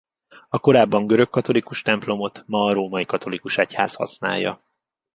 A korábban görög-katolikus templomot ma a római katolikus egyház használja.